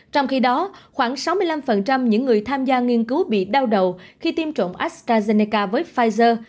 trong khi đó khoảng sáu mươi năm những người tham gia nghiên cứu bị đau đầu khi tiêm trộm astrazeneca với pfizer